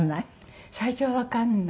最初はわかんない。